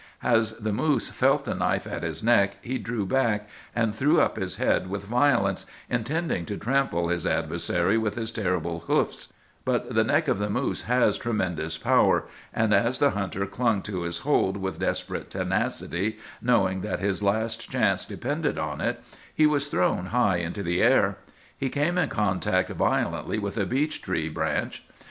] "As the moose felt the knife in his neck he drew back, and threw up his head with violence, intending to trample his adversary with his terrible hoofs; but the neck of the moose has tremendous power, and as the hunter clung to his hold with desperate tenacity, knowing that his last chance depended on it, he was thrown high into the air. He came in contact violently with a beech tree branch.